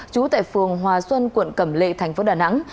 trú tại phường hòa xuân quận cẩm lệ thành phố đà nẵng